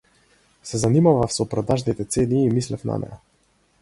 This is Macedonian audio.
Се занимавав со продажните цени и мислев на неа.